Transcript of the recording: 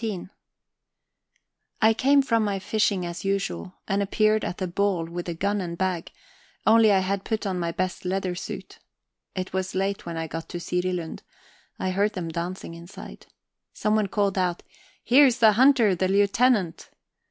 XVII I came from my fishing as usual, and appeared at the "ball" with the gun and bag only I had put on my best leather suit. It was late when I got to Sirilund; I heard them dancing inside. Someone called out: "Here's the hunter, the Lieutenant."